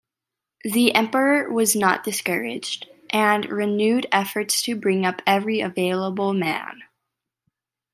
The emperor was not discouraged, and renewed efforts to bring up every available man.